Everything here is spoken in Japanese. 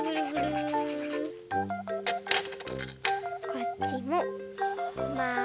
こっちもまる。